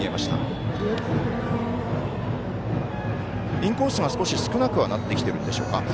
インコースが少し少なくはなってきてるんでしょうか。